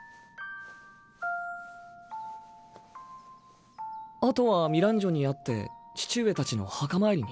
あとはミランジョに会って父上たちの墓参りに？